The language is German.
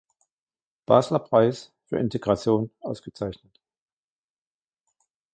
Basler Preis für Integration ausgezeichnet.